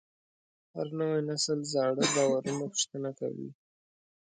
هر نوی نسل زاړه باورونه پوښتنه کوي.